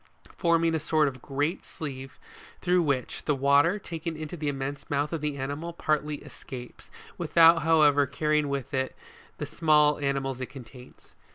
forming a sort of great sieve through which, the water, taken into the immense mouth of the animal, partly escapes, without however carrying with it the small animals it contains, 47.